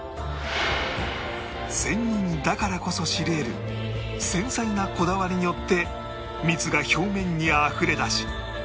仙人だからこそ知り得る繊細なこだわりによって蜜が表面にあふれ出し